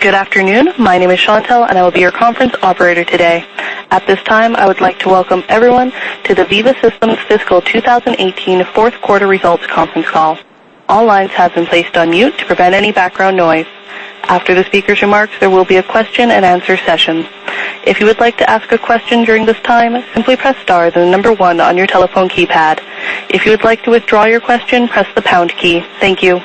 Good afternoon. My name is Chantelle, and I will be your conference operator today. At this time, I would like to welcome everyone to the Veeva Systems Fiscal 2018 Fourth Quarter Results Conference Call. All lines have been placed on mute to prevent any background noise. After the speaker's remarks, there will be a question-and-answer session. If you would like to ask a question during this time, simply press star 1 on your telephone keypad. If you would like to withdraw your question, press the pound key. Thank you.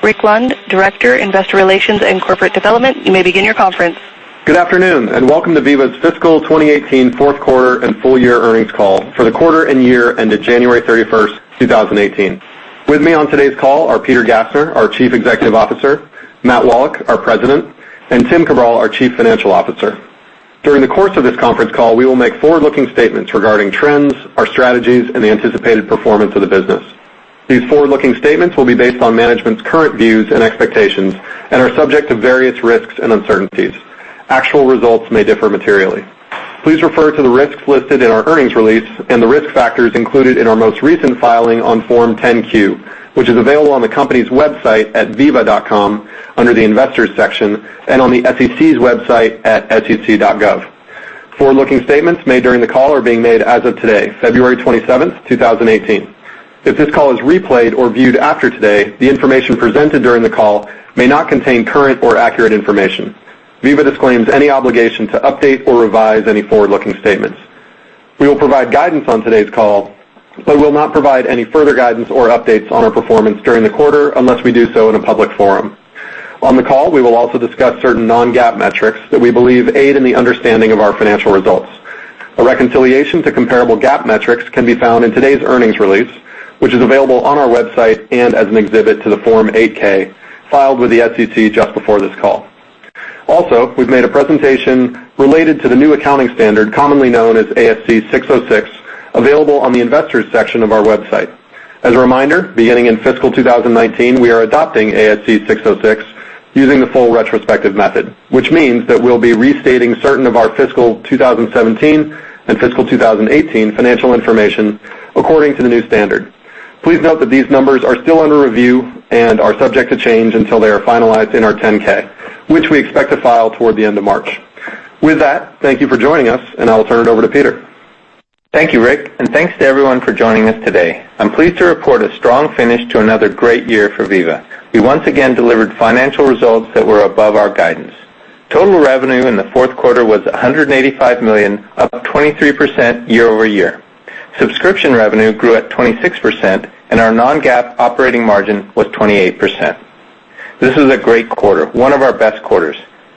Rick Lund, Director, Investor Relations and Corporate Development, you may begin your conference. Good afternoon, and welcome to Veeva's fiscal 2018 fourth quarter and full year earnings call for the quarter and year ended January 31, 2018. With me on today's call are Peter Gassner, our Chief Executive Officer, Matt Wallach, our President, and Tim Cabral, our Chief Financial Officer. During the course of this conference call, we will make forward-looking statements regarding trends, our strategies, and the anticipated performance of the business. These forward-looking statements will be based on management's current views and expectations and are subject to various risks and uncertainties. Actual results may differ materially. Please refer to the risks listed in our earnings release and the risk factors included in our most recent filing on Form 10-Q, which is available on the company's website at veeva.com under the investors section and on the SEC's website at sec.gov. Forward-looking statements made during the call are being made as of today, February 27, 2018. If this call is replayed or viewed after today, the information presented during the call may not contain current or accurate information. Veeva disclaims any obligation to update or revise any forward-looking statements. We will provide guidance on today's call, but will not provide any further guidance or updates on our performance during the quarter unless we do so in a public forum. On the call, we will also discuss certain non-GAAP metrics that we believe aid in the understanding of our financial results. A reconciliation to comparable GAAP metrics can be found in today's earnings release, which is available on our website and as an exhibit to the Form 8-K filed with the SEC just before this call. Also, we've made a presentation related to the new accounting standard, commonly known as ASC 606, available on the investors section of our website. As a reminder, beginning in fiscal 2019, we are adopting ASC 606 using the full retrospective method, which means that we'll be restating certain of our fiscal 2017 and fiscal 2018 financial information according to the new standard. Please note that these numbers are still under review and are subject to change until they are finalized in our 10-K, which we expect to file toward the end of March. With that, thank you for joining us, and I will turn it over to Peter. Thank you, Rick, and thanks to everyone for joining us today. I'm pleased to report a strong finish to another great year for Veeva. We once again delivered financial results that were above our guidance. Total revenue in the fourth quarter was $185 million, up 23% year-over-year. Subscription revenue grew at 26% and our non-GAAP operating margin was 28%. This is a great quarter, one of our best quarters.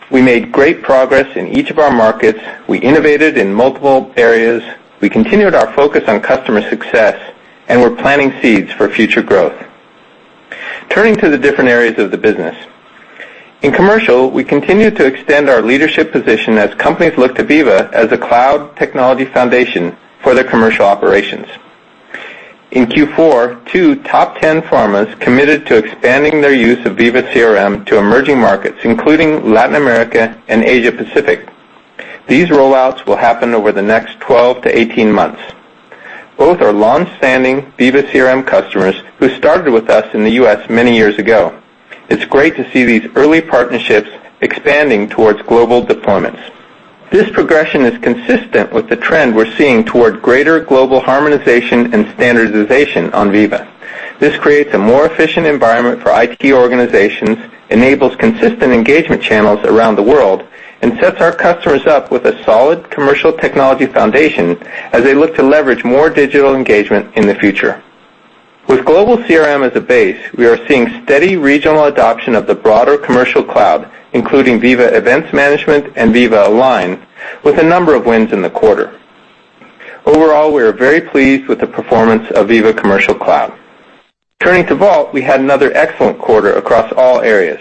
We made great progress in each of our markets. We innovated in multiple areas. We continued our focus on customer success, and we're planting seeds for future growth. Turning to the different areas of the business. In commercial, we continued to extend our leadership position as companies look to Veeva as a cloud technology foundation for their commercial operations. In Q4, two top ten pharmas committed to expanding their use of Veeva CRM to emerging markets, including Latin America and Asia Pacific. These rollouts will happen over the next 12-18 months. Both are longstanding Veeva CRM customers who started with us in the U.S. many years ago. It's great to see these early partnerships expanding towards global deployments. This progression is consistent with the trend we're seeing toward greater global harmonization and standardization on Veeva. This creates a more efficient environment for IT organizations, enables consistent engagement channels around the world, and sets our customers up with a solid commercial technology foundation as they look to leverage more digital engagement in the future. With global CRM as a base, we are seeing steady regional adoption of the broader Commercial Cloud, including Veeva Events Management and Veeva Align with a number of wins in the quarter. Overall, we are very pleased with the performance of Veeva Commercial Cloud. Turning to Vault, we had another excellent quarter across all areas.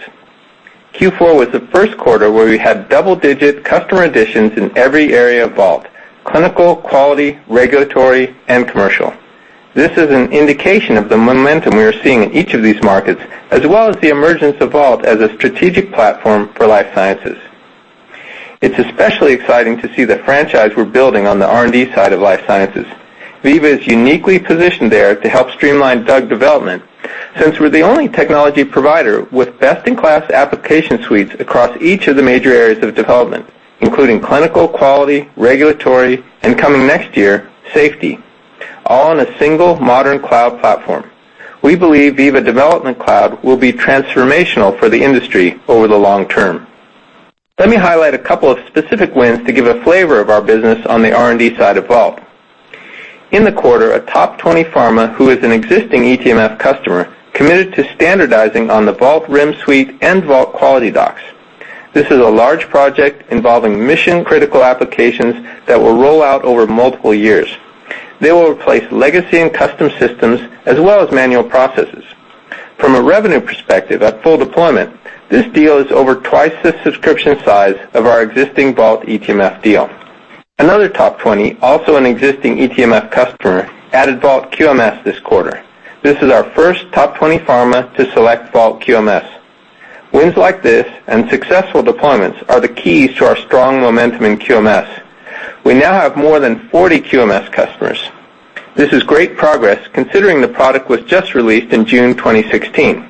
Q4 was the first quarter where we had double-digit customer additions in every area of Vault: clinical, quality, regulatory, and commercial. This is an indication of the momentum we are seeing in each of these markets, as well as the emergence of Vault as a strategic platform for life sciences. It's especially exciting to see the franchise we're building on the R&D side of life sciences. Veeva is uniquely positioned there to help streamline drug development since we're the only technology provider with best-in-class application suites across each of the major areas of development, including clinical, quality, regulatory, and coming next year, safety, all on a single modern cloud platform. We believe Veeva Development Cloud will be transformational for the industry over the long term. Let me highlight a couple of specific wins to give a flavor of our business on the R&D side of Vault. In the quarter, a top 20 pharma who is an existing eTMF customer committed to standardizing on the Vault RIM suite and Vault QualityDocs. This is a large project involving mission-critical applications that will roll out over multiple years. They will replace legacy and custom systems as well as manual processes. From a revenue perspective, at full deployment, this deal is over twice the subscription size of our existing Vault eTMF deal. Another top 20, also an existing eTMF customer, added Vault QMS this quarter. This is our first top 20 pharma to select Vault QMS. Wins like this and successful deployments are the keys to our strong momentum in QMS. We now have more than 40 QMS customers. This is great progress considering the product was just released in June 2016.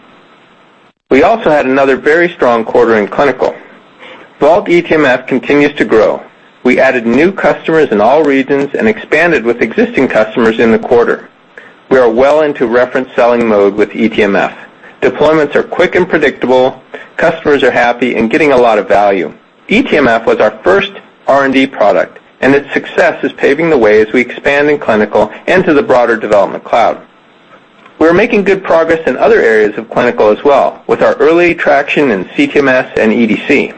We also had another very strong quarter in clinical. Vault eTMF continues to grow. We added new customers in all regions and expanded with existing customers in the quarter. We are well into reference selling mode with eTMF. Deployments are quick and predictable. Customers are happy and getting a lot of value. eTMF was our first R&D product, and its success is paving the way as we expand in clinical and to the broader Development Cloud. We are making good progress in other areas of clinical as well with our early traction in CTMS and EDC.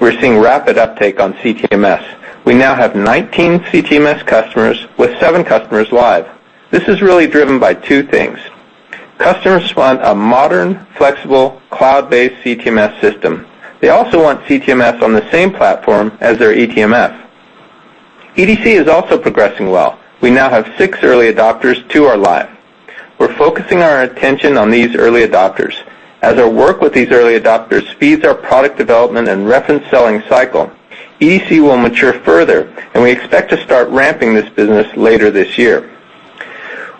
We're seeing rapid uptake on CTMS. We now have 19 CTMS customers with seven customers live. This is really driven by two things. Customers want a modern, flexible, cloud-based CTMS system. They also want CTMS on the same platform as their eTMF. EDC is also progressing well. We now have six early adopters, two are live. We're focusing our attention on these early adopters. As our work with these early adopters speeds our product development and reference selling cycle, EDC will mature further, and we expect to start ramping this business later this year.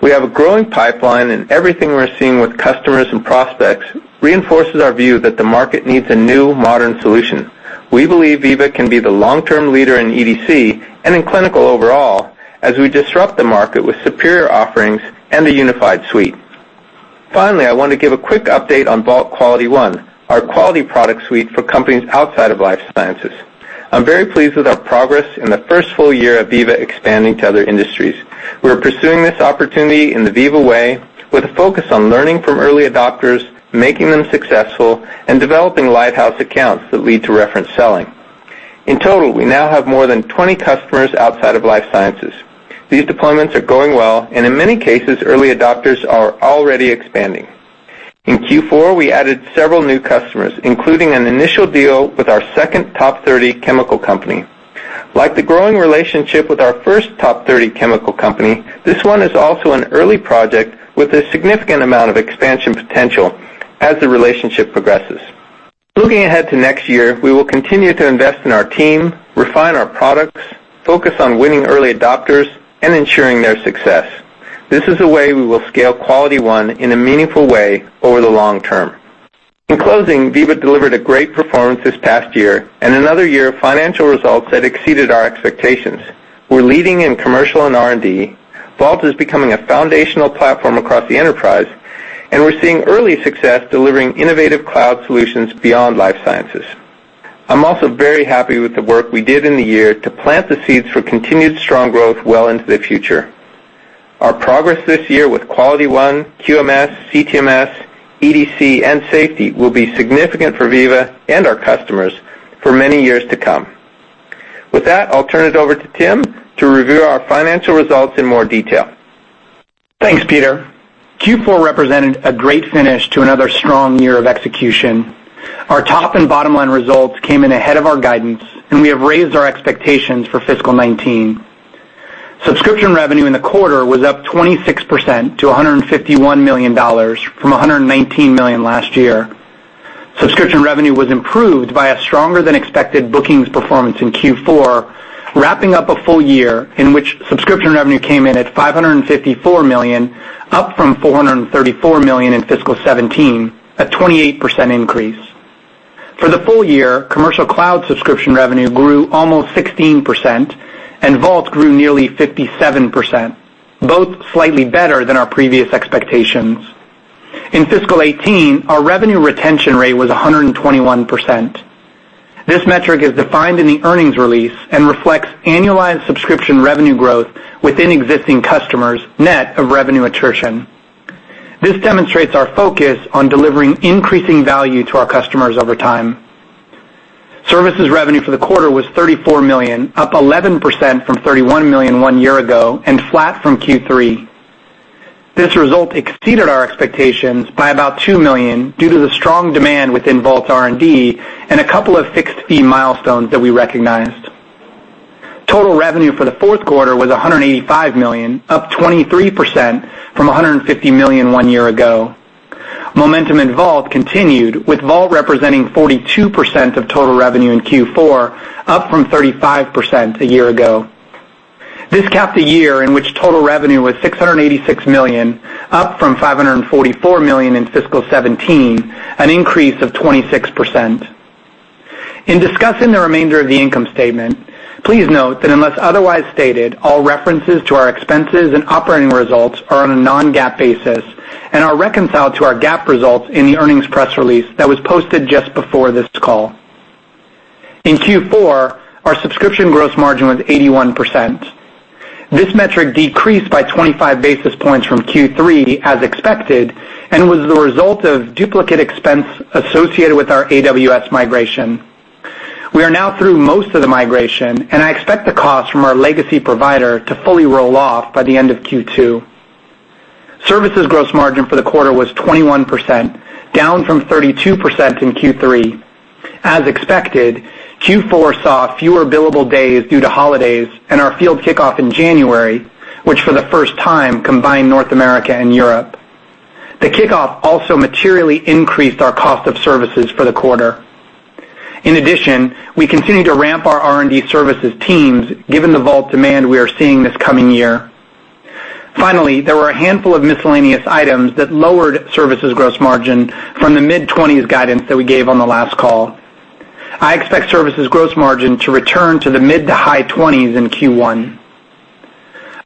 We have a growing pipeline. Everything we're seeing with customers and prospects reinforces our view that the market needs a new modern solution. We believe Veeva can be the long-term leader in EDC and in clinical overall as we disrupt the market with superior offerings and a unified suite. Finally, I want to give a quick update on Vault QualityOne, our quality product suite for companies outside of life sciences. I'm very pleased with our progress in the first full year of Veeva expanding to other industries. We are pursuing this opportunity in the Veeva way with a focus on learning from early adopters, making them successful, and developing lighthouse accounts that lead to reference selling. In total, we now have more than 20 customers outside of life sciences. These deployments are going well, and in many cases, early adopters are already expanding. In Q4, we added several new customers, including an initial deal with our second top 30 chemical company. Like the growing relationship with our first top 30 chemical company, this one is also an early project with a significant amount of expansion potential as the relationship progresses. Looking ahead to next year, we will continue to invest in our team, refine our products, focus on winning early adopters, and ensuring their success. This is a way we will scale QualityOne in a meaningful way over the long term. In closing, Veeva delivered a great performance this past year and another year of financial results that exceeded our expectations. We're leading in commercial and R&D. Vault is becoming a foundational platform across the enterprise, and we're seeing early success delivering innovative cloud solutions beyond life sciences. I'm also very happy with the work we did in the year to plant the seeds for continued strong growth well into the future. Our progress this year with QualityOne, QMS, CTMS, EDC, and Safety will be significant for Veeva and our customers for many years to come. With that, I'll turn it over to Tim to review our financial results in more detail. Thanks, Peter. Q4 represented a great finish to another strong year of execution. Our top and bottom-line results came in ahead of our guidance. We have raised our expectations for fiscal 2019. Subscription revenue in the quarter was up 26% to $151 million from $119 million last year. Subscription revenue was improved by a stronger-than-expected bookings performance in Q4, wrapping up a full year in which subscription revenue came in at $554 million, up from $434 million in fiscal 2017, a 28% increase. For the full year, Veeva Commercial Cloud subscription revenue grew almost 16%. Veeva Vault grew nearly 57%, both slightly better than our previous expectations. In fiscal 2018, our revenue retention rate was 121%. This metric is defined in the earnings release and reflects annualized subscription revenue growth within existing customers, net of revenue attrition. This demonstrates our focus on delivering increasing value to our customers over time. Services revenue for the quarter was $34 million, up 11% from $31 million one year ago and flat from Q3. This result exceeded our expectations by about $2 million due to the strong demand within Vault RIM and a couple of fixed-fee milestones that we recognized. Total revenue for the fourth quarter was $185 million, up 23% from $150 million one year ago. Momentum in Vault continued, with Vault representing 42% of total revenue in Q4, up from 35% a year ago. This capped a year in which total revenue was $686 million, up from $544 million in fiscal 2017, an increase of 26%. In discussing the remainder of the income statement, please note that unless otherwise stated, all references to our expenses and operating results are on a non-GAAP basis and are reconciled to our GAAP results in the earnings press release that was posted just before this call. In Q4, our subscription gross margin was 81%. This metric decreased by 25 basis points from Q3 as expected and was the result of duplicate expense associated with our AWS migration. We are now through most of the migration, and I expect the cost from our legacy provider to fully roll off by the end of Q2. Services gross margin for the quarter was 21%, down from 32% in Q3. As expected, Q4 saw fewer billable days due to holidays and our field kickoff in January, which for the first time combined North America and Europe. The kickoff also materially increased our cost of services for the quarter. We continue to ramp our R&D services teams given the Vault demand we are seeing this coming year. There were a handful of miscellaneous items that lowered services gross margin from the mid-20s guidance that we gave on the last call. I expect services gross margin to return to the mid-to-high 20s in Q1.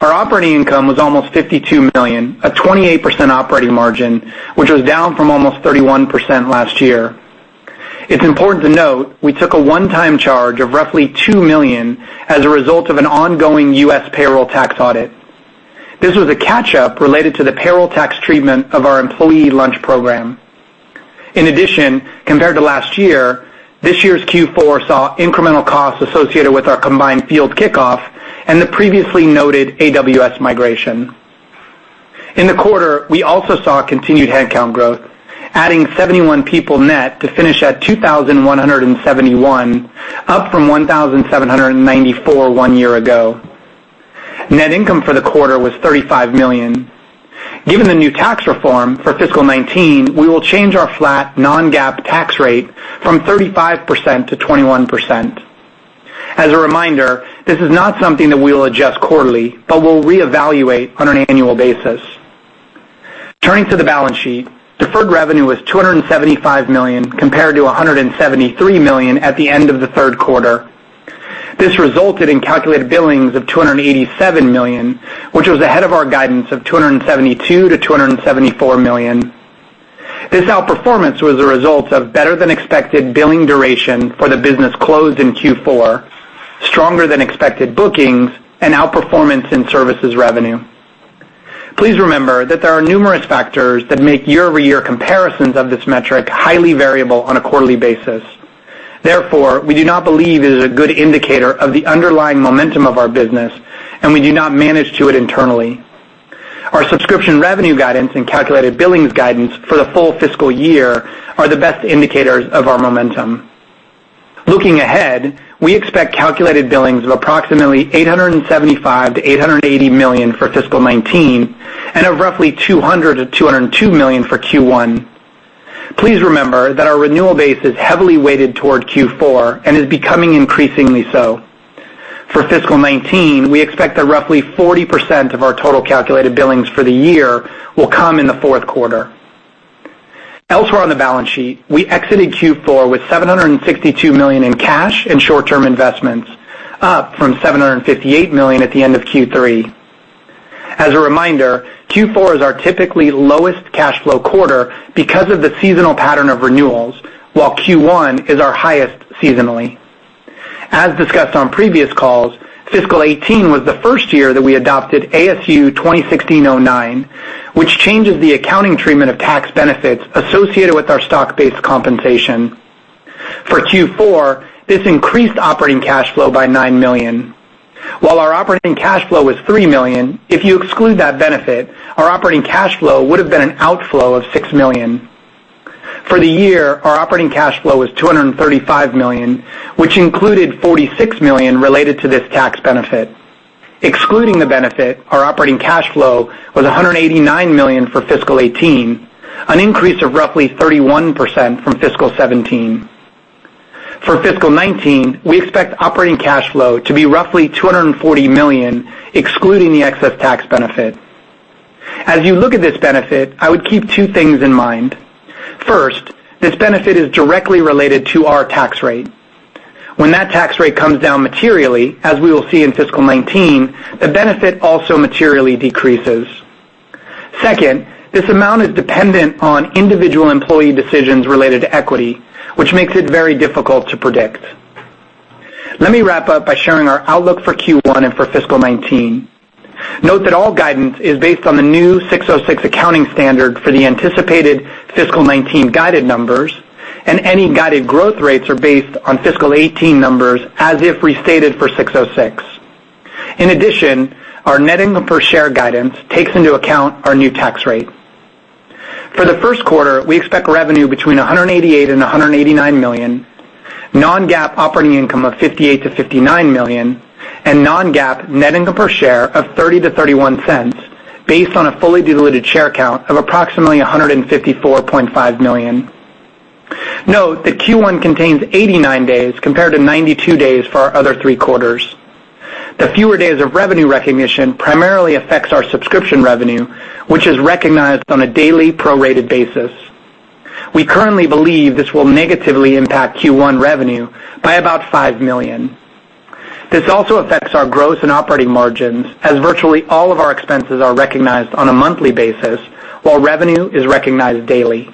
Our operating income was almost $52 million, a 28% operating margin, which was down from almost 31% last year. It's important to note we took a onetime charge of roughly $2 million as a result of an ongoing U.S. payroll tax audit. This was a catch-up related to the payroll tax treatment of our employee lunch program. In addition, compared to last year, this year's Q4 saw incremental costs associated with our combined field kickoff and the previously noted AWS migration. In the quarter, we also saw continued headcount growth, adding 71 people net to finish at 2,171, up from 1,794 one year ago. Net income for the quarter was $35 million. Given the new tax reform for fiscal 2019, we will change our flat non-GAAP tax rate from 35% to 21%. As a reminder, this is not something that we will adjust quarterly, but we'll reevaluate on an annual basis. Turning to the balance sheet, deferred revenue was $275 million compared to $173 million at the end of the third quarter. This resulted in calculated billings of $287 million, which was ahead of our guidance of $272 million-$274 million. This outperformance was a result of better-than-expected billing duration for the business closed in Q4, stronger than expected bookings, and outperformance in services revenue. Please remember that there are numerous factors that make year-over-year comparisons of this metric highly variable on a quarterly basis. Therefore, we do not believe it is a good indicator of the underlying momentum of our business, and we do not manage to it internally. Our subscription revenue guidance and calculated billings guidance for the full fiscal year are the best indicators of our momentum. Looking ahead, we expect calculated billings of approximately $875 million-$880 million for fiscal 2019 and of roughly $200 million-$202 million for Q1. Please remember that our renewal base is heavily weighted toward Q4 and is becoming increasingly so. For fiscal 2019, we expect that roughly 40% of our total calculated billings for the year will come in the fourth quarter. Elsewhere on the balance sheet, we exited Q4 with $762 million in cash and short-term investments, up from $758 million at the end of Q3. As a reminder, Q4 is our typically lowest cash flow quarter because of the seasonal pattern of renewals, while Q1 is our highest seasonally. As discussed on previous calls, fiscal 2018 was the first year that we adopted ASU 2016-09, which changes the accounting treatment of tax benefits associated with our stock-based compensation. For Q4, this increased operating cash flow by $9 million. While our operating cash flow was $3 million, if you exclude that benefit, our operating cash flow would have been an outflow of $6 million. For the year, our operating cash flow was $235 million, which included $46 million related to this tax benefit. Excluding the benefit, our operating cash flow was $189 million for fiscal 2018, an increase of roughly 31% from fiscal 2017. For fiscal 2019, we expect operating cash flow to be roughly $240 million, excluding the excess tax benefit. As you look at this benefit, I would keep two things in mind. First, this benefit is directly related to our tax rate. When that tax rate comes down materially, as we will see in fiscal 2019, the benefit also materially decreases. Second, this amount is dependent on individual employee decisions related to equity, which makes it very difficult to predict. Let me wrap up by sharing our outlook for Q1 and for fiscal 2019. Note that all guidance is based on the new 606 accounting standard for the anticipated fiscal 2019 guided numbers, and any guided growth rates are based on fiscal 2018 numbers as if restated for 606. In addition, our net income per share guidance takes into account our new tax rate. For the first quarter, we expect revenue between $188 million and $189 million, non-GAAP operating income of $58 million-$59 million, and non-GAAP net income per share of $0.30-$0.31 based on a fully diluted share count of approximately 154.5 million. Note that Q1 contains 89 days compared to 92 days for our other three quarters. The fewer days of revenue recognition primarily affects our subscription revenue, which is recognized on a daily prorated basis. We currently believe this will negatively impact Q1 revenue by about $5 million. This also affects our gross and operating margins, as virtually all of our expenses are recognized on a monthly basis while revenue is recognized daily.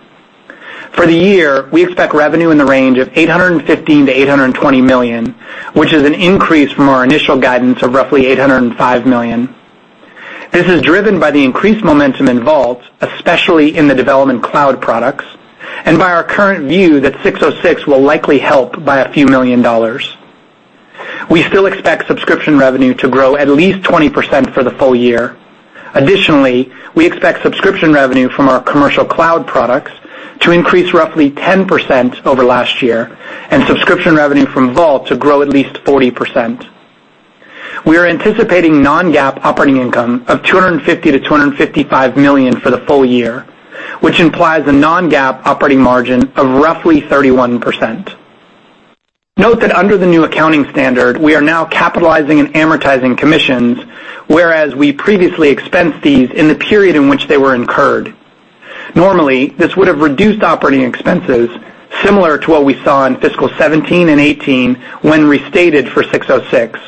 For the year, we expect revenue in the range of $815 million-$820 million, which is an increase from our initial guidance of roughly $805 million. This is driven by the increased momentum in Vault, especially in the development cloud products, and by our current view that 606 will likely help by a few million dollars. We still expect subscription revenue to grow at least 20% for the full year. Additionally, we expect subscription revenue from our commercial cloud products to increase roughly 10% over last year and subscription revenue from Vault to grow at least 40%. We are anticipating non-GAAP operating income of $250 million-$255 million for the full year, which implies a non-GAAP operating margin of roughly 31%. Note that under the new accounting standard, we are now capitalizing and amortizing commissions, whereas we previously expensed these in the period in which they were incurred. Normally, this would have reduced operating expenses similar to what we saw in fiscal 2017 and 2018 when restated for ASC 606.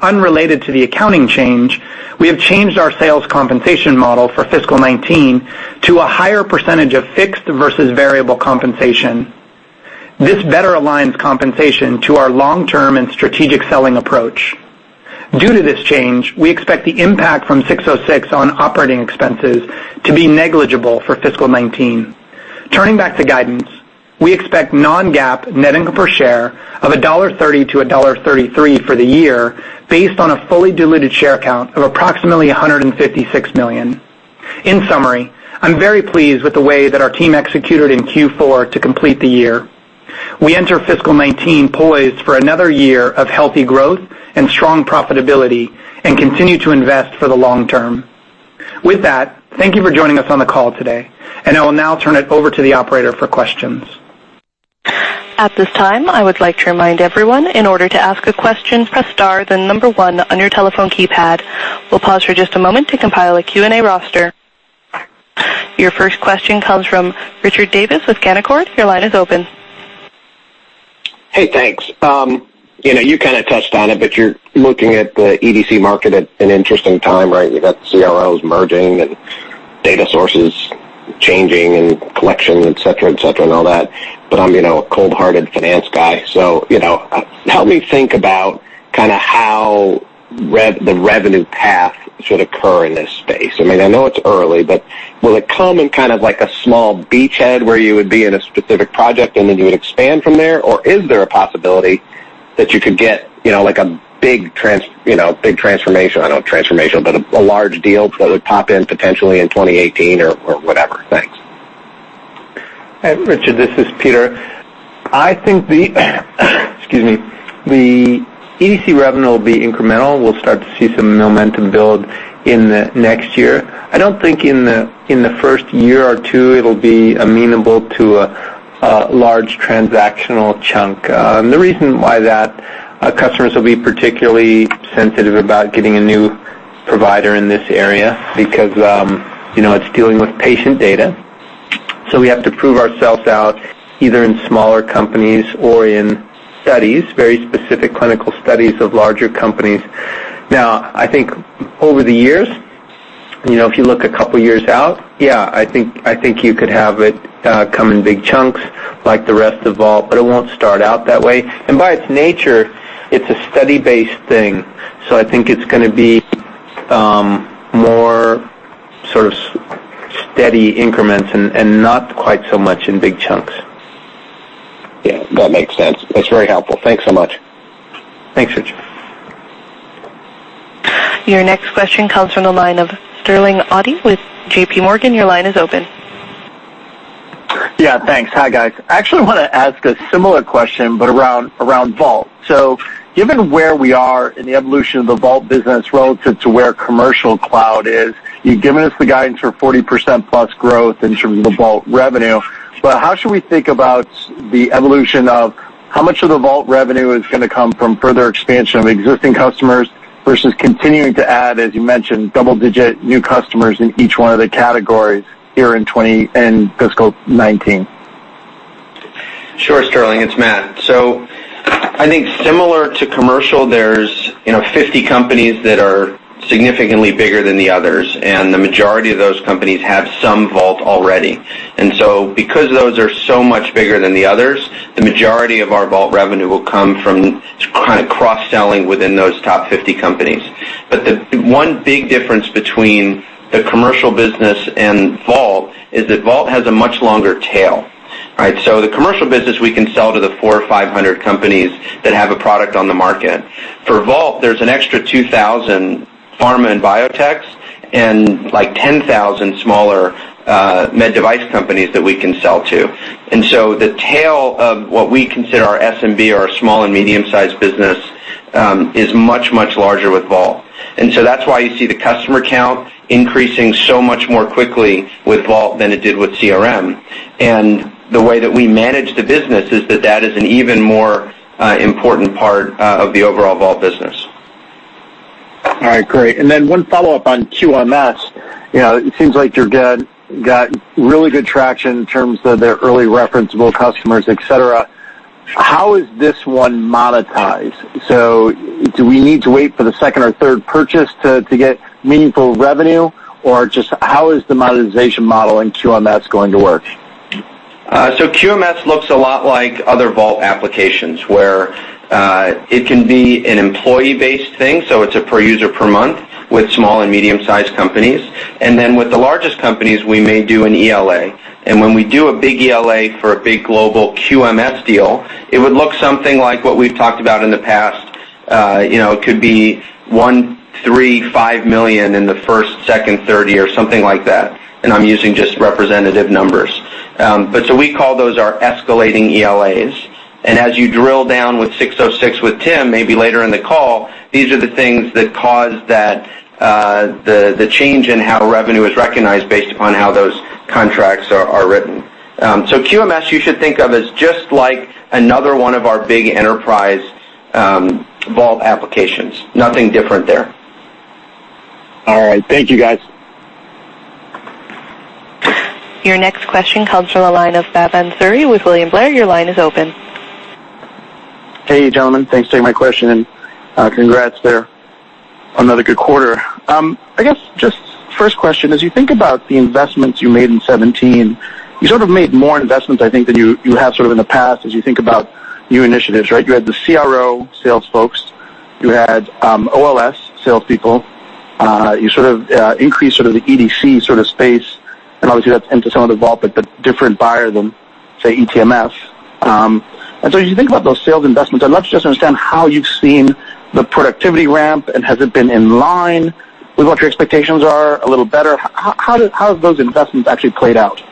Unrelated to the accounting change, we have changed our sales compensation model for fiscal 2019 to a higher percentage of fixed versus variable compensation. This better aligns compensation to our long-term and strategic selling approach. Due to this change, we expect the impact from ASC 606 on operating expenses to be negligible for fiscal 2019. Turning back to guidance, we expect non-GAAP net income per share of $1.30-$1.33 for the year based on a fully diluted share count of approximately 156 million. In summary, I'm very pleased with the way that our team executed in Q4 to complete the year. We enter fiscal 2019 poised for another year of healthy growth and strong profitability and continue to invest for the long term. With that, thank you for joining us on the call today, and I will now turn it over to the operator for questions. We'll pause for just a moment to compile a Q&A roster. Your first question comes from Richard Davis with Canaccord. Your line is open. Hey, thanks. You know, you kinda touched on it, you're looking at the EDC market at an interesting time, right? You got CROs merging and data sources changing and collection, et cetera, et cetera, and all that. I'm, you know, a cold-hearted finance guy. You know, help me think about kinda how the revenue path should occur in this space. I mean, I know it's early, but will it come in kind of like a small beachhead where you would be in a specific project and then you would expand from there? Or is there a possibility that you could get, you know, like a big transformation. I know transformation, but a large deal that would pop in potentially in 2018 or whatever. Thanks. Hey, Richard, this is Peter. I think the, excuse me, the EDC revenue will be incremental. We'll start to see some momentum build in the next year. I don't think in the first year or two it'll be amenable to a large transactional chunk. The reason why that customers will be particularly sensitive about getting a new provider in this area because, you know, it's dealing with patient data. We have to prove ourselves out either in smaller companies or in studies, very specific clinical studies of larger companies. I think over the years, you know, if you look a couple of years out, yeah, I think, I think you could have it come in big chunks like the rest of Vault, but it won't start out that way. By its nature, it's a study-based thing. I think it's gonna be, more sort of steady increments and not quite so much in big chunks. Yeah, that makes sense. That's very helpful. Thanks so much. Thanks, Richard. Your next question comes from the line of Sterling Auty with JPMorgan. Your line is open. Yeah, thanks. Hi, guys. I actually wanna ask a similar question, around Vault. Given where we are in the evolution of the Vault business relative to where commercial cloud is, you've given us the guidance for 40% plus growth in terms of the Vault revenue. How should we think about the evolution of how much of the Vault revenue is gonna come from further expansion of existing customers versus continuing to add, as you mentioned, double-digit new customers in each one of the categories here in fiscal 2019? Sure, Sterling, it's Matt. I think similar to commercial, there's, you know, 50 companies that are significantly bigger than the others, and the majority of those companies have some Vault already. Because those are so much bigger than the others, the majority of our Vault revenue will come from kind of cross-selling within those top 50 companies. The one big difference between the commercial business and Vault is that Vault has a much longer tail. Right? The commercial business we can sell to the 400 or 500 companies that have a product on the market. For Vault, there's an extra 2,000 pharma and biotech and, like, 10,000 smaller med device companies that we can sell to. The tail of what we consider our SMB or small and medium-sized business is much, much larger with Vault. That's why you see the customer count increasing so much more quickly with Vault than it did with CRM. The way that we manage the business is that that is an even more important part of the overall Vault business. All right, great. One follow-up on QMS. You know, it seems like you've got really good traction in terms of their early referenceable customers, et cetera. How is this one monetized? Do we need to wait for the second or third purchase to get meaningful revenue? Just how is the monetization model in QMS going to work? QMS looks a lot like other Vault applications, where it can be an employee-based thing, so it's a per user per month with small and medium-sized companies. With the largest companies, we may do an ELA. When we do a big ELA for a big global QMS deal, it would look something like what we've talked about in the past. It could be $1 million, $3 million, $5 million in the first, second, third year or something like that, and I'm using just representative numbers. We call those our escalating ELAs. As you drill down with 606 with Tim, maybe later in the call, these are the things that cause the change in how revenue is recognized based upon how those contracts are written. QMS, you should think of as just like another one of our big enterprise Vault applications. Nothing different there. All right. Thank you, guys. Your next question comes from the line of Bhavan Suri with William Blair. Your line is open. Hey, gentlemen. Thanks for taking my question and congrats there. Another good quarter. I guess just first question, as you think about the investments you made in 2017, you sort of made more investments, I think, than you have sort of in the past as you think about new initiatives, right? You had the CRO sales folks. You had OLS salespeople. You sort of increased sort of the EDC sort of space, and obviously that's end to some of the Vault, but the different buyer than, say, eTMF. So as you think about those sales investments, I'd love to just understand how you've seen the productivity ramp, and has it been in line with what your expectations are a little better? How have those investments actually played out?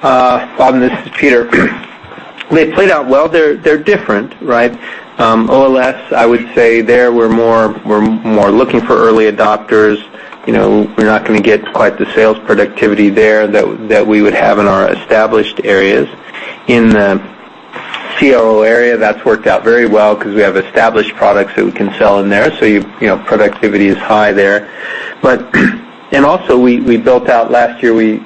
Bhavan, this is Peter. They played out well. They're different, right? OLS, I would say there we're more looking for early adopters. You know, we're not gonna get quite the sales productivity there that we would have in our established areas. In the CRO area, that's worked out very well because we have established products that we can sell in there. You know, productivity is high there. Also we built out last year, we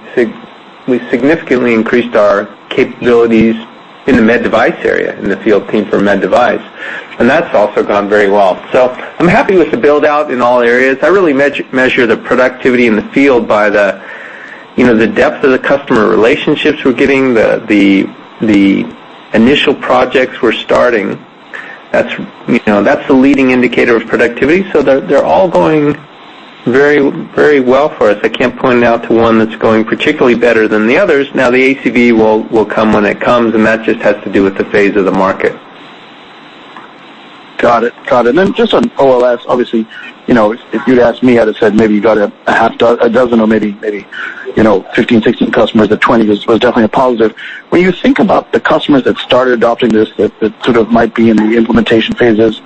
significantly increased our capabilities in the med device area, in the field team for med device. That's also gone very well. I'm happy with the build-out in all areas. I really measure the productivity in the field by the, you know, the depth of the customer relationships we're getting, the initial projects we're starting. That's, you know, that's the leading indicator of productivity. They're all going very, very well for us. I can't point out to one that's going particularly better than the others. The ACV will come when it comes, and that just has to do with the phase of the market. Got it. Got it. Just on OLS, obviously, you know, if you'd asked me, I'd have said maybe you got a dozen or maybe, you know, 15, 16 customers or 20 was definitely a positive. When you think about the customers that started adopting this, that sort of might be in the implementation phases,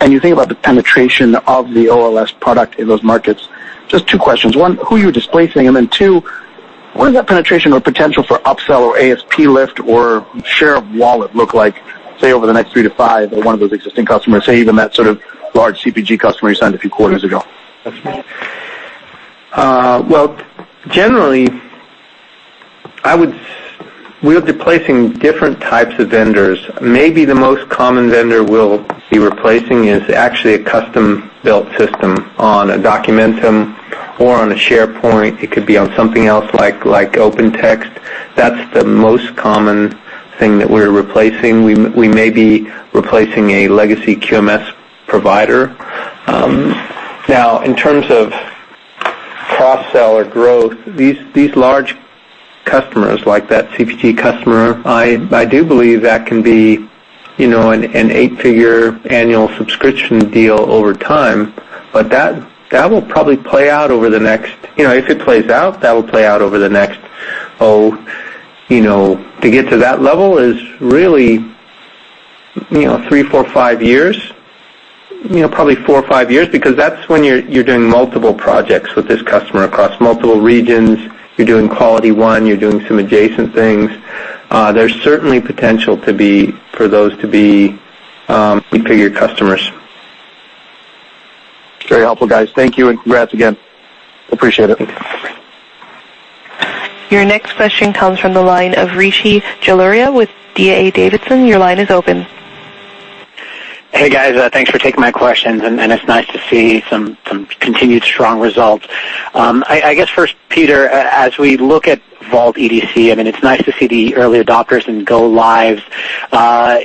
and you think about the penetration of the OLS product in those markets, just two questions. One, who are you displacing? Two, what does that penetration or potential for upsell or ASP lift or share of wallet look like, say, over the next three to five of one of those existing customers, say even that sort of large CPG customer you signed a few quarters ago? Well, generally, we're replacing different types of vendors. Maybe the most common vendor we'll be replacing is actually a custom-built system on a Documentum or on a SharePoint. It could be on something else like OpenText. That's the most common thing that we're replacing. We may be replacing a legacy QMS provider. Now in terms of cross-sell or growth, these large customers like that CPG customer, I do believe that can be, you know, an eight-figure annual subscription deal over time. That will probably play out over the next. If it plays out, that will play out over the next, you know, to get to that level is really, you know, three, four, five years. You know, probably four or five years because that's when you're doing multiple projects with this customer across multiple regions. You're doing QualityOne, you're doing some adjacent things. There's certainly potential for those to be eight-figure customers. Very helpful, guys. Thank you, and congrats again. Appreciate it. Your next question comes from the line of Rishi Jaluria with D.A. Davidson. Your line is open. Hey, guys. Thanks for taking my questions, and it's nice to see some continued strong results. I guess first, Peter, as we look at Vault EDC, I mean, it's nice to see the early adopters and go lives.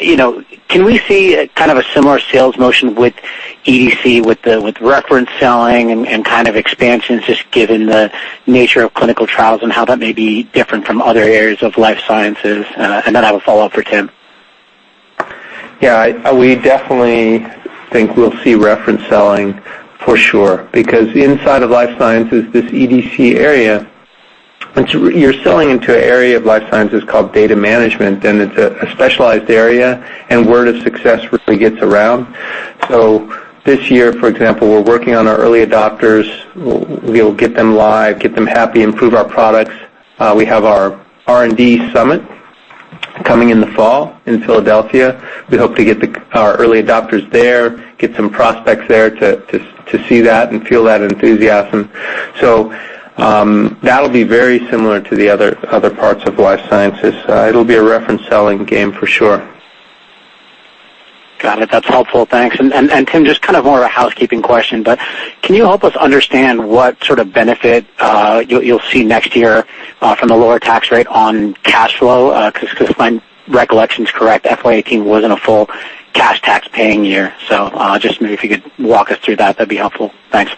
You know, can we see kind of a similar sales motion with EDC, with reference selling and kind of expansions just given the nature of clinical trials and how that may be different from other areas of life sciences? Then I have a follow-up for Tim. Yeah. We definitely think we'll see reference selling for sure because inside of life sciences, this EDC area, you're selling into an area of life sciences called data management, and it's a specialized area, and word of success really gets around. This year, for example, we're working on our early adopters. We'll get them live, get them happy, improve our products. We have our R&D summit coming in the fall in Philadelphia. We hope to get our early adopters there, get some prospects there to see that and feel that enthusiasm. That'll be very similar to the other parts of life sciences. It'll be a reference selling game for sure. Got it. That's helpful. Thanks. Tim, just kind of more of a housekeeping question, but can you help us understand what sort of benefit you'll see next year from the lower tax rate on cash flow? 'Cause if my recollection is correct, FY 2018 wasn't a full cash tax paying year. Just maybe if you could walk us through that'd be helpful. Thanks.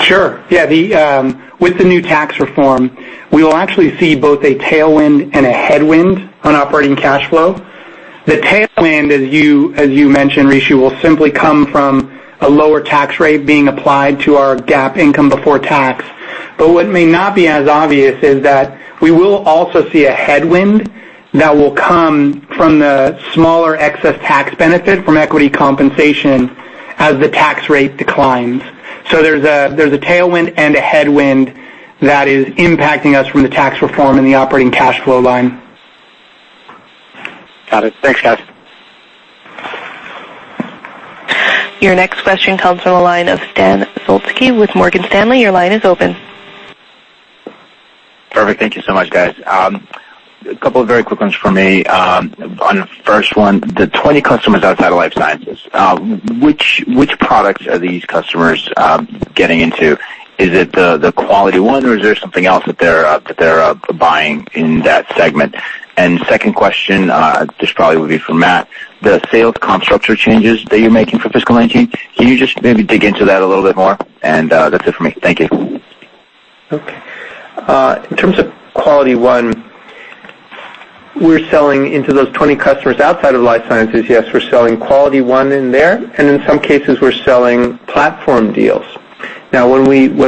Sure. Yeah. The, with the new tax reform, we will actually see both a tailwind and a headwind on operating cash flow. The tailwind, as you mentioned, Rishi, will simply come from a lower tax rate being applied to our GAAP income before tax. What may not be as obvious is that we will also see a headwind that will come from the smaller excess tax benefit from equity compensation as the tax rate declines. There's a tailwind and a headwind that is impacting us from the tax reform and the operating cash flow line. Got it. Thanks, guys. Your next question comes from the line of Stan Zlotsky with Morgan Stanley. Your line is open. Perfect. Thank you so much, guys. A couple of very quick ones for me. On the first one, the 20 customers outside of life sciences, which products are these customers getting into? Is it the QualityOne or is there something else that they're buying in that segment? Second question, this probably would be for Matt. The sales comp structure changes that you're making for fiscal 2019, can you just maybe dig into that a little bit more? That's it for me. Thank you. Okay. In terms of QualityOne, we're selling into those 20 customers outside of life sciences. Yes, we're selling QualityOne in there, and in some cases, we're selling platform deals. When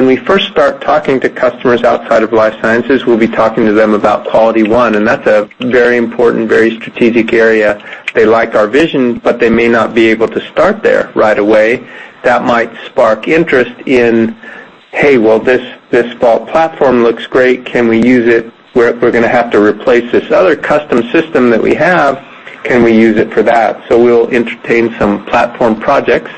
we first start talking to customers outside of life sciences, we'll be talking to them about QualityOne, and that's a very important, very strategic area. They like our vision, but they may not be able to start there right away. That might spark interest in, "Hey, well, this Vault platform looks great. Can we use it? We're gonna have to replace this other custom system that we have. Can we use it for that?" We'll entertain some platform projects.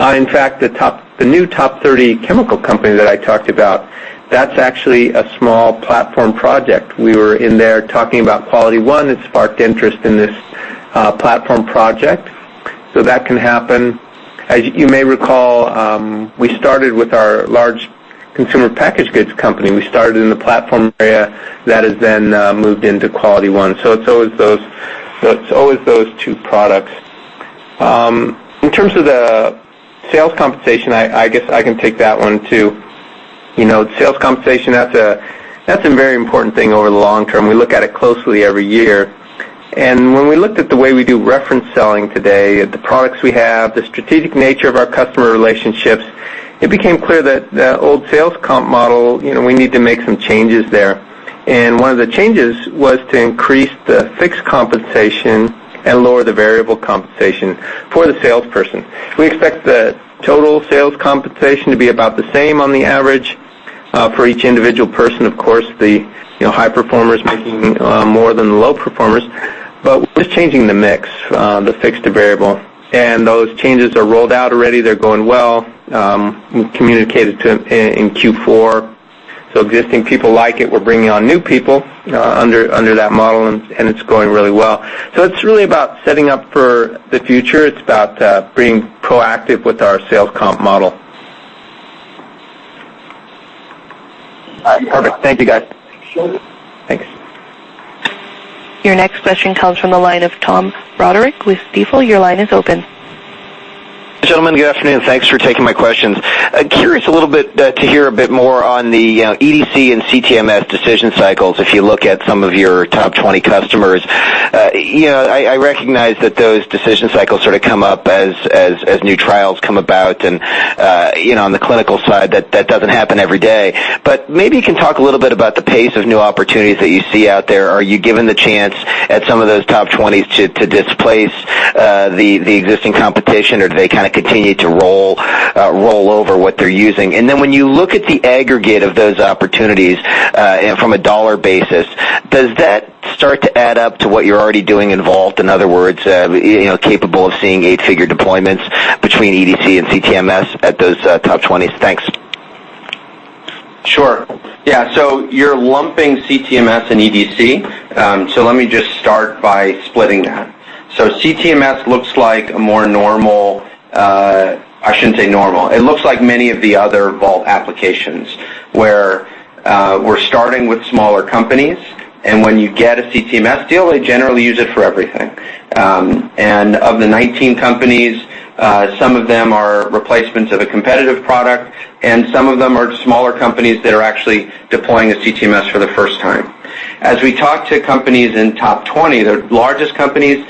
In fact, the new top 30 chemical company that I talked about, that's actually a small platform project. We were in there talking about QualityOne. It sparked interest in this platform project, that can happen. As you may recall, we started with our large consumer packaged goods company. We started in the platform area that has moved into QualityOne. It's always those two products. In terms of the sales compensation, I guess I can take that one, too. You know, sales compensation, that's a very important thing over the long term. We look at it closely every year. When we looked at the way we do reference selling today, the products we have, the strategic nature of our customer relationships, it became clear that the old sales comp model, you know, we need to make some changes there. One of the changes was to increase the fixed compensation and lower the variable compensation for the salesperson. We expect the total sales compensation to be about the same on the average for each individual person. Of course, the, you know, high performers making more than low performers. We're just changing the mix, the fixed to variable. Those changes are rolled out already. They're going well. We communicated to them in Q4. Existing people like it. We're bringing on new people under that model and it's going really well. It's really about setting up for the future. It's about being proactive with our sales comp model. Perfect. Thank you, guys. Sure. Thanks. Your next question comes from the line of Tom Roderick with Stifel. Your line is open. Gentlemen, good afternoon. Thanks for taking my questions. Curious a little bit to hear a bit more on the EDC and CTMS decision cycles if you look at some of your top 20 customers. You know, I recognize that those decision cycles sort of come up as new trials come about and, you know, on the clinical side, that doesn't happen every day. Maybe you can talk a little bit about the pace of new opportunities that you see out there. Are you given the chance at some of those top 20s to displace the existing competition, or do they kinda continue to roll over what they're using? When you look at the aggregate of those opportunities, and from a dollar basis, does that start to add up to what you're already doing in Vault? In other words, you know, capable of seeing eight-figure deployments between EDC and CTMS at those, top 20s. Thanks. Sure. Yeah. You're lumping CTMS and EDC, so let me just start by splitting that. CTMS looks like a more normal, I shouldn't say normal. It looks like many of the other Vault applications, where we're starting with smaller companies, and when you get a CTMS deal, they generally use it for everything. And of the 19 companies, some of them are replacements of a competitive product, and some of them are smaller companies that are actually deploying a CTMS for the first time. As we talk to companies in top 20, the largest companies,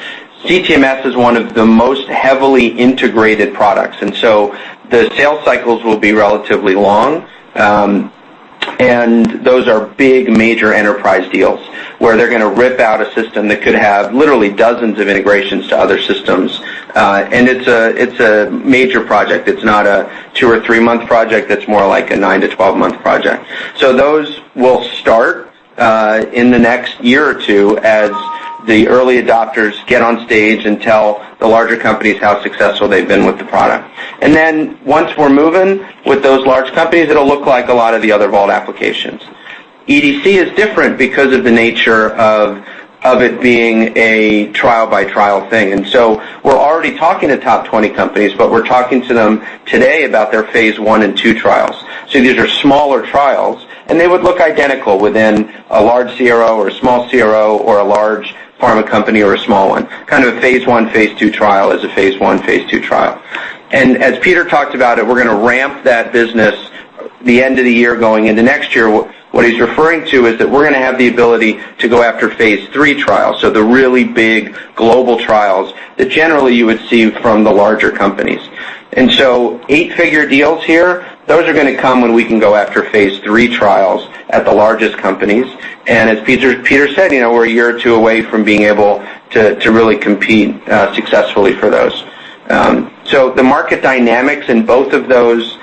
CTMS is one of the most heavily integrated products, the sales cycles will be relatively long. And those are big, major enterprise deals where they're gonna rip out a system that could have literally dozens of integrations to other systems. It's a major project. It's not a two or three-month project. It's more like a 9-12-month project. Those will start in the next one or two years as the early adopters get on stage and tell the larger companies how successful they've been with the product. Once we're moving with those large companies, it'll look like a lot of the other Vault applications. EDC is different because of the nature of it being a trial-by-trial thing. We're already talking to top 20 companies, but we're talking to them today about their phase I and II trials. These are smaller trials, and they would look identical within a large CRO or a small CRO or a large pharma company or a small one. Kind of a phase I, phase II trial is a phase I, phase II trial. As Peter talked about it, we're gonna ramp that business. The end of the year going into next year, what he's referring to is that we're gonna have the ability to go after phase III trials, so the really big global trials that generally you would see from the larger companies. Eight-figure deals here, those are gonna come when we can go after phase III trials at the largest companies. As Peter said, you know, we're a year or two away from being able to really compete successfully for those. The market dynamics in both of those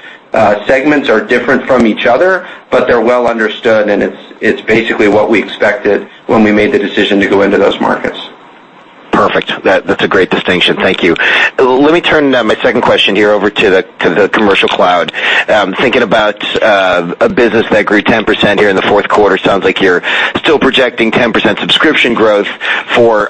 segments are different from each other, but they're well understood, and it's basically what we expected when we made the decision to go into those markets. Perfect. That's a great distinction. Thank you. Let me turn my second question here over to the Commercial Cloud. Thinking about a business that grew 10% here in the four quarter, sounds like you're still projecting 10% subscription growth for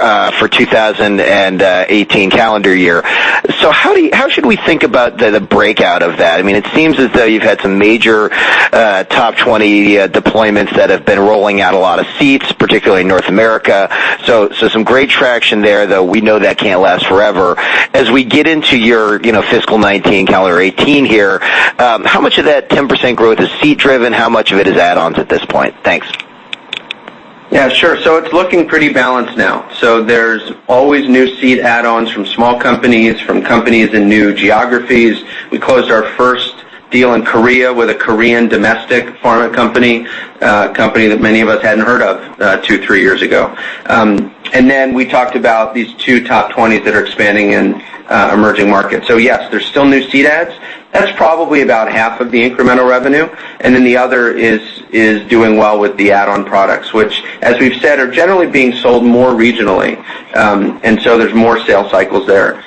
2018 calendar year. How should we think about the breakout of that? I mean, it seems as though you've had some major top 20 deployments that have been rolling out a lot of seats, particularly in North America. Some great traction there, though we know that can't last forever. As we get into your, you know, fiscal 2019 calendar 2018 here, how much of that 10% growth is seat-driven? How much of it is add-ons at this point? Thanks. Yeah, sure. It's looking pretty balanced now. There's always new seat add-ons from small companies, from companies in new geographies. We closed our first deal in Korea with a Korean domestic pharma company, a company that many of us hadn't heard of, two, three years ago. We talked about these two top 20s that are expanding in emerging markets. Yes, there's still new seat adds. That's probably about half of the incremental revenue, and then the other is doing well with the add-on products, which, as we've said, are generally being sold more regionally. There's more sales cycles there.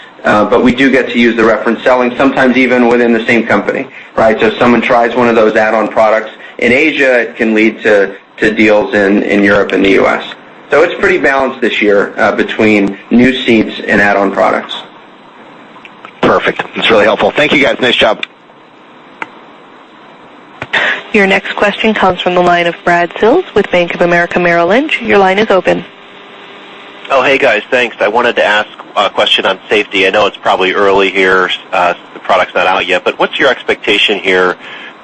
We do get to use the reference selling sometimes even within the same company, right? If someone tries one of those add-on products in Asia, it can lead to deals in Europe and the U.S. It's pretty balanced this year between new seats and add-on products. Perfect. That's really helpful. Thank you, guys. Nice job. Your next question comes from the line of Brad Sills with Bank of America Merrill Lynch. Hey, guys. Thanks. I wanted to ask a question on Safety. I know it's probably early here, the product's not out yet, but what's your expectation here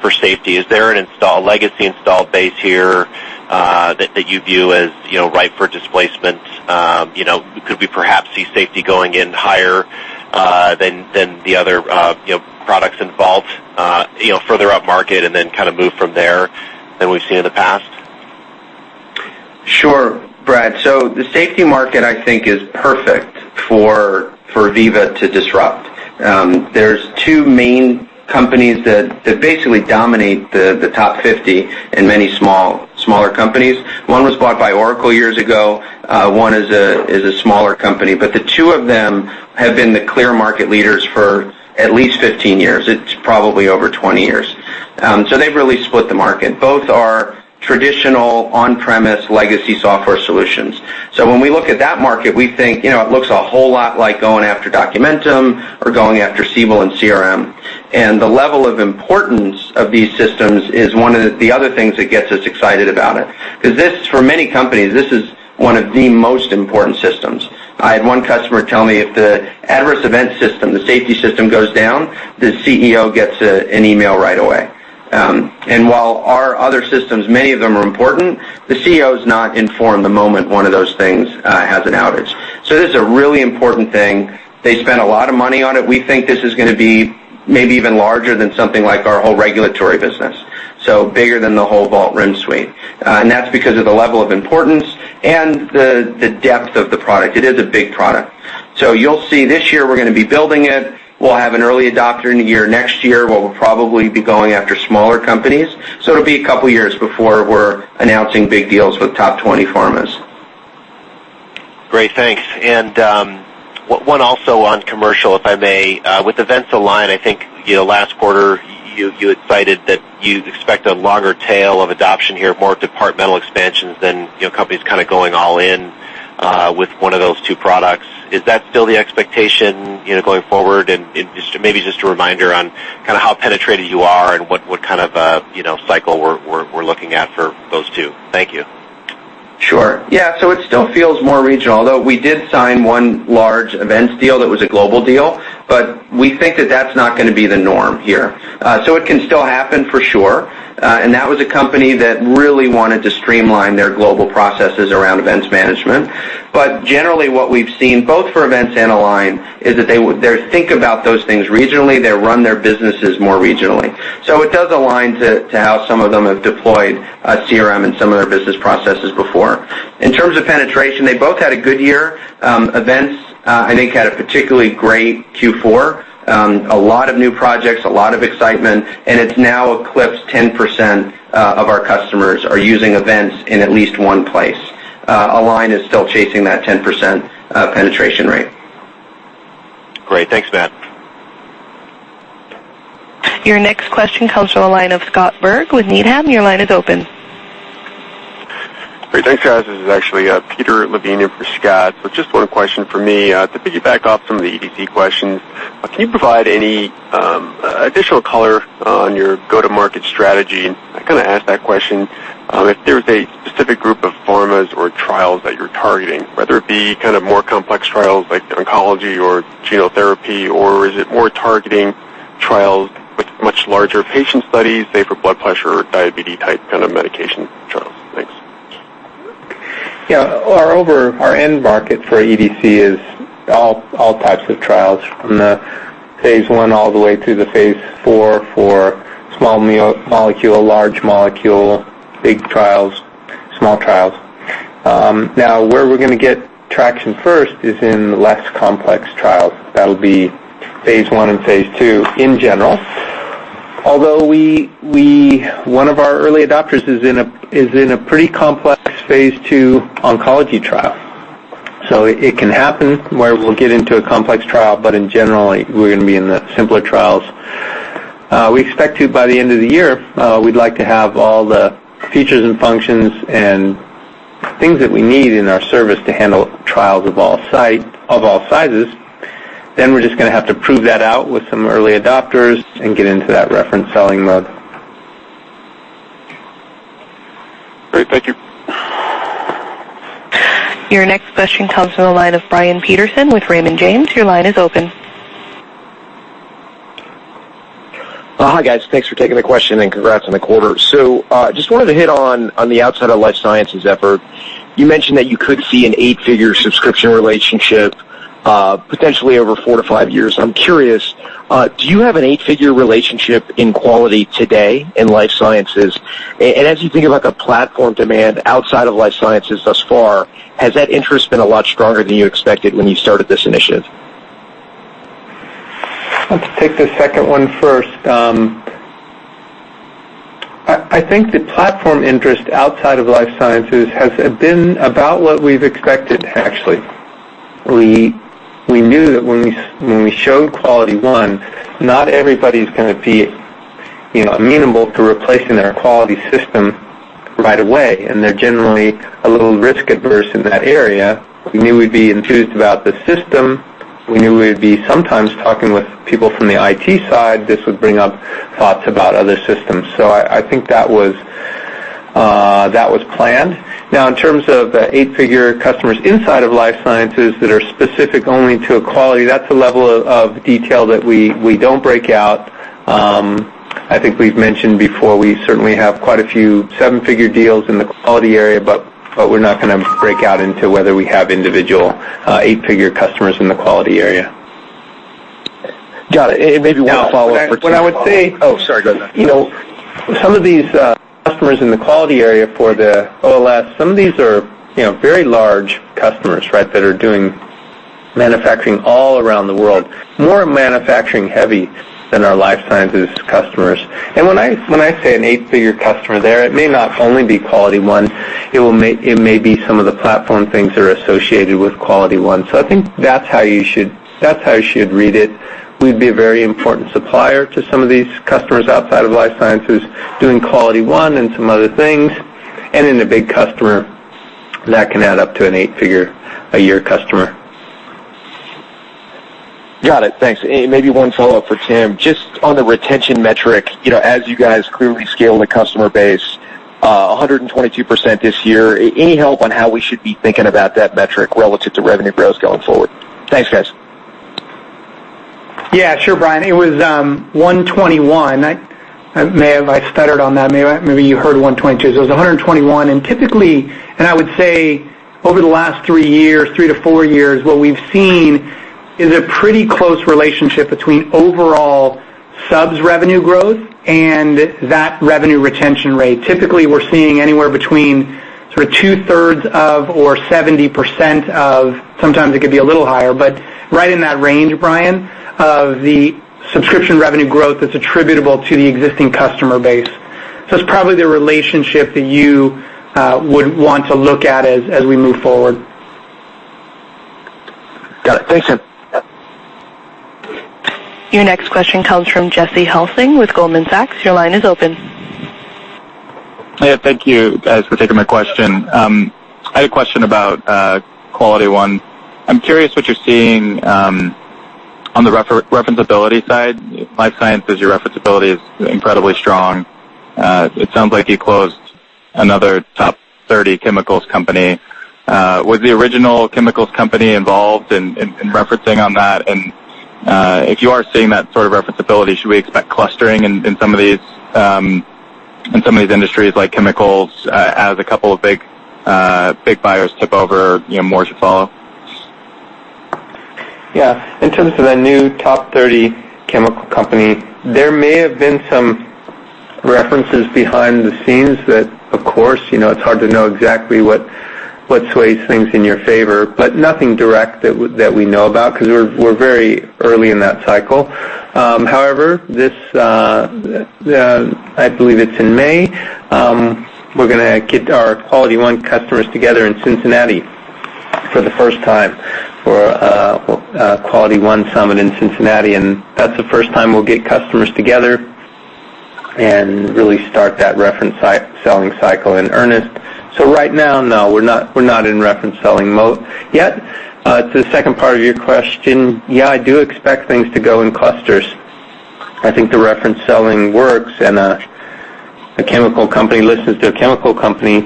for Safety? Is there a legacy install base here that you view as, you know, ripe for displacement? You know, could we perhaps see Safety going in higher than the other, you know, products in Vault, you know, further up market and then kind of move from there than we've seen in the past? Sure, Brad. The safety market, I think, is perfect for Veeva to disrupt. There's two main companies that basically dominate the top 50 and many smaller companies. One was bought by Oracle years ago. One is a smaller company. The two of them have been the clear market leaders for at least 15 years. It's probably over 20 years. They've really split the market. Both are traditional on-premise legacy software solutions. When we look at that market, we think, you know, it looks a whole lot like going after Documentum or going after Siebel and CRM. The level of importance of these systems is one of the other things that gets us excited about it 'cause this, for many companies, this is one of the most important systems. I had one customer tell me if the adverse event system, the safety system goes down, the CEO gets an email right away. While our other systems, many of them are important, the CEO is not informed the moment one of those things has an outage. This is a really important thing. They spend a lot of money on it. We think this is gonna be maybe even larger than something like our whole regulatory business, so bigger than the whole Vault RIM suite. That's because of the level of importance and the depth of the product. It is a big product. You'll see this year we're gonna be building it. We'll have an early adopter in the year. Next year, we'll probably be going after smaller companies. It'll be a couple years before we're announcing big deals with top 20 pharmas. Great. Thanks. One also on commercial, if I may. With Events Align, I think, you know, last quarter, you excited that you expect a longer tail of adoption here, more departmental expansions than, you know, companies kind of going all in, with one of those two products. Is that still the expectation, you know, going forward? Just, maybe just a reminder on kinda how penetrated you are and what kind of a, you know, cycle we're looking at for those two. Thank yo. Sure. Yeah. It still feels more regional, though we did sign one large Events deal that was a global deal, but we think that that's not going to be the norm here. It can still happen for sure, and that was a company that really wanted to streamline their global processes around Events management. Generally what we've seen both for Events and Align is that they think about those things regionally. They run their businesses more regionally. It does align to how some of them have deployed CRM and some of their business processes before. In terms of penetration, they both had a good year. Events, I think, had a particularly great Q4. A lot of new projects, a lot of excitement, and it's now eclipsed 10% of our customers are using Events in at least one place. Align is still chasing that 10% penetration rate. Great. Thanks, Matt. Your next question comes from the line of Scott Berg with Needham. Your line is open. Great. Thanks, guys. This is actually Peter Levine for Scott, but just one question from me. To piggyback off some of the EDC questions, can you provide any additional color on your go-to-market strategy? I'm not gonna ask that question, if there was a specific group of pharmas or trials that you're targeting, whether it be kind of more complex trials that you're targeting, whether it be kind of more complex trials like oncology or gene therapy, or is it more targeting trials with much larger patient studies, say, for blood pressure, diabetes type kind of medication trials? Thanks. Yeah. Our end market for EDC is all types of trials from the phase I all the way to the phase IV for small molecule, large molecule, big trials, small trials. Where we're going to get traction first is in less complex trials. That will be phase I and phase II in general. One of our early adopters is in a pretty complex phase II oncology trial. It can happen where we will get into a complex trial, but in general, we're going to be in the simpler trials. We expect to, by the end of the year, we would like to have all the features and functions and things that we need in our service to handle trials of all sizes. We're just gonna have to prove that out with some early adopters and get into that reference selling mode. Great. Thank you. Your next question comes from the line of Brian Peterson with Raymond James. Your line is open. Hi, guys. Thanks for taking the question, and congrats on the quarter. Just wanted to hit on the outside of life sciences effort. You mentioned that you could see an eight-figure subscription relationship potentially over four to five years. I'm curious, do you have an eight-figure relationship in quality today in life sciences? As you think about the platform demand outside of life sciences thus far, has that interest been a lot stronger than you expected when you started this initiative? Let's take the second one first. I think the platform interest outside of life sciences has been about what we've expected, actually. We knew that when we showed QualityOne, not everybody's gonna be, you know, amenable to replacing their quality system right away, and they're generally a little risk-averse in that area. We knew we'd be enthused about the system. We knew we'd be sometimes talking with people from the IT side. This would bring up thoughts about other systems. I think that was that was planned. Now, in terms of the eight-figure customers inside of life sciences that are specific only to quality, that's a level of detail that we don't break out. I think we've mentioned before, we certainly have quite a few seven-figure deals in the quality area, but we're not gonna break out into whether we have individual eight-figure customers in the quality area. Got it. Maybe one follow-up for Tim. Now, what I would say Oh, sorry. Go ahead. You know, some of these customers in the quality area for the OLS, some of these are, you know, very large customers, right, that are doing manufacturing all around the world, more manufacturing-heavy than our life sciences customers. When I, when I say an eight-figure customer there, it may not only be QualityOne. It may be some of the platform things that are associated with QualityOne. I think that's how you should, that's how you should read it. We'd be a very important supplier to some of these customers outside of life sciences doing QualityOne and some other things, and then a big customer that can add up to an eight-figure-a-year customer. Got it. Thanks. Maybe one follow-up for Tim. Just on the retention metric, you know, as you guys clearly scale the customer base, 122% this year, any help on how we should be thinking about that metric relative to revenue growth going forward? Thanks, guys. Yeah, sure, Brian. It was 121. I may have stuttered on that. Maybe you heard 122. It was 121. Typically, I would say over the last three years, three to four years, what we've seen is a pretty close relationship between overall subs revenue growth and that revenue retention rate. Typically, we're seeing anywhere between sort of 2/3 of or 70% of, sometimes it could be a little higher, but right in that range, Brian, of the subscription revenue growth that's attributable to the existing customer base. It's probably the relationship that you would want to look at as we move forward. Got it. Thanks, Tim. Your next question comes from Jesse Hulsing with Goldman Sachs. Your line is open. Yeah. Thank you guys for taking my question. I had a question about QualityOne. I'm curious what you're seeing on the referenceability side. Life sciences, your referenceability is incredibly strong. It sounds like you closed another top 30 chemicals company. Was the original chemicals company involved in referencing on that? If you are seeing that sort of referenceability, should we expect clustering in some of these industries like chemicals, as a couple of big buyers tip over, you know, more to follow? Yeah. In terms of the new top 30 chemical company, there may have been some references behind the scenes that, of course, you know, it's hard to know exactly what sways things in your favor, but nothing direct that we know about because we're very early in that cycle. However, this, I believe it's in May, we're gonna get our QualityOne customers together in Cincinnati for the first time for a QualityOne summit in Cincinnati. That's the first time we'll get customers together and really start that reference selling cycle in earnest. Right now, no, we're not in reference selling mode yet. To the second part of your question, yeah, I do expect things to go in clusters. I think the reference selling works, and a chemical company listens to a chemical company,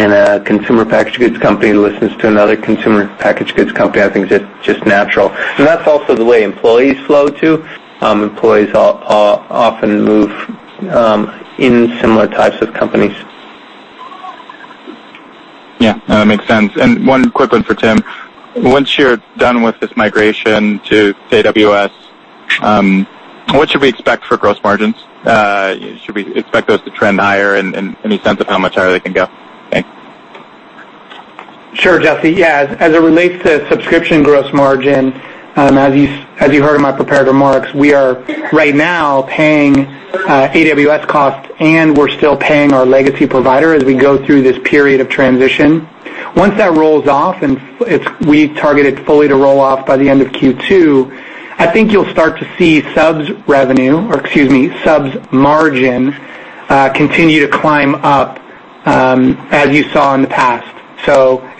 and a consumer packaged goods company listens to another consumer packaged goods company. I think it's just natural. That's also the way employees flow too. Employees often move in similar types of companies. Yeah, no, that makes sense. One quick one for Tim. Once you're done with this migration to AWS, what should we expect for gross margins? Should we expect those to trend higher and any sense of how much higher they can go? Thanks. Sure, Jesse. As it relates to subscription gross margin, as you, as you heard in my prepared remarks, we are right now paying AWS costs, and we're still paying our legacy provider as we go through this period of transition. Once that rolls off, and we targeted fully to roll off by the end of Q2, I think you'll start to see subs revenue or, excuse me, subs margin, continue to climb up, as you saw in the past.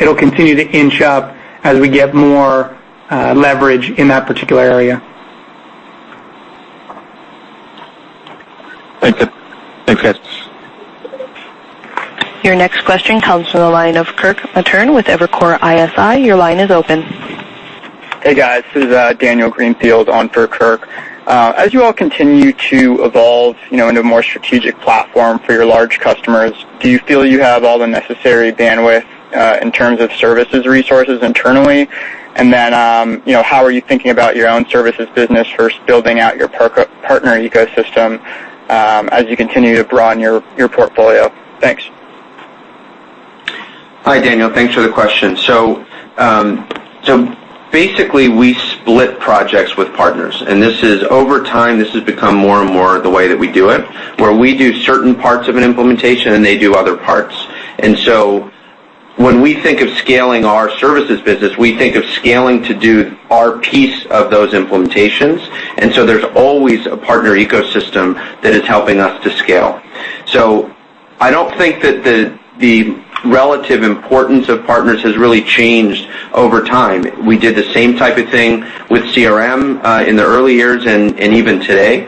It'll continue to inch up as we get more leverage in that particular area. Thank you. Thanks, guys. Your next question comes from the line of Kirk Materne with Evercore ISI. Your line is open. Hey, guys. This is Daniel Greenfield on for Kirk. As you all continue to evolve, you know, into a more strategic platform for your large customers, do you feel you have all the necessary bandwidth in terms of services resources internally? Then, you know, how are you thinking about your own services business versus building out your partner ecosystem as you continue to broaden your portfolio? Thanks. Hi, Daniel. Thanks for the question. Basically, we split projects with partners. Over time, this has become more and more the way that we do it, where we do certain parts of an implementation, and they do other parts. When we think of scaling our services business, we think of scaling to do our piece of those implementations. I don't think that the relative importance of partners has really changed over time. We did the same type of thing with CRM in the early years and even today.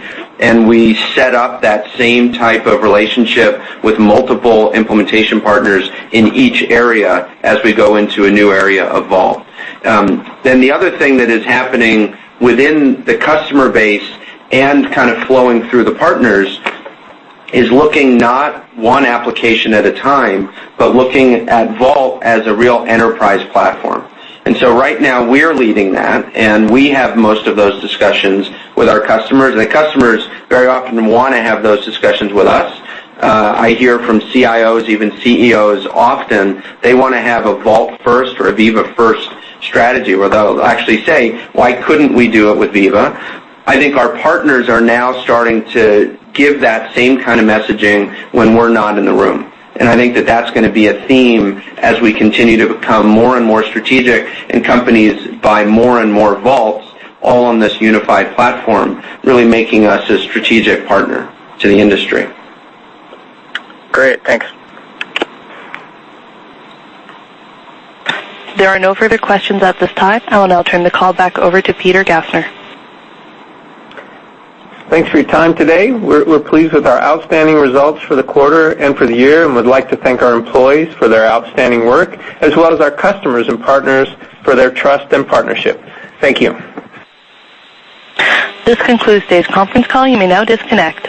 We set up that same type of relationship with multiple implementation partners in each area as we go into a new area of Vault. The other thing that is happening within the customer base and kind of flowing through the partners is looking not one application at a time but looking at Vault as a real enterprise platform. Right now, we're leading that, and we have most of those discussions with our customers, and the customers very often wanna have those discussions with us. I hear from CIOs, even CEOs, often they wanna have a Vault-first or a Veeva-first strategy, where they'll actually say, "Why couldn't we do it with Veeva?" I think our partners are now starting to give that same kind of messaging when we're not in the room. I think that that's going to be a theme as we continue to become more and more strategic, and companies buy more and more Vaults all on this unified platform, really making us a strategic partner to the industry. Great. Thanks. There are no further questions at this time. I will now turn the call back over to Peter Gassner. Thanks for your time today. We're pleased with our outstanding results for the quarter and for the year and would like to thank our employees for their outstanding work as well as our customers and partners for their trust and partnership. Thank you. This concludes today's conference call. You may now disconnect.